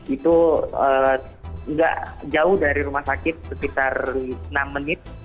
itu tidak jauh dari rumah sakit sekitar enam menit